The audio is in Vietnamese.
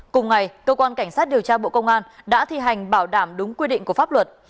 cùng ngày cơ quan cảnh sát điều tra bộ công an đã thi hành bảo đảm đúng quy định của pháp luật